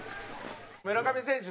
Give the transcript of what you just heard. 村上選手